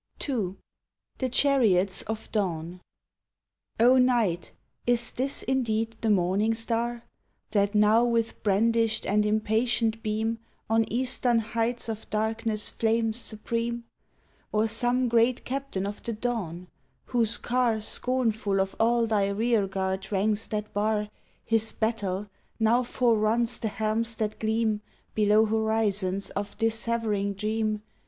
22 "THREE SONNEtS OF tHE NIGHt SKIES II THE CHARIOTS OF DAWN O Night, is this indeed the morning star, That now with brandished and impatient beam On eastern heights of darkness flames supreme, Or some great captain of the dawn, whose car Scornful of all thy rear guard ranks that bar His battle, now foreruns the helms that gleam Below horizons of dissevering dream.